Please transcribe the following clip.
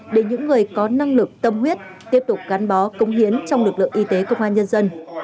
để những người có năng lực tâm huyết tiếp tục gắn bó công hiến trong lực lượng y tế công an nhân dân